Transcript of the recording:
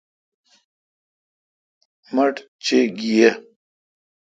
مٹھ چے° گی یے°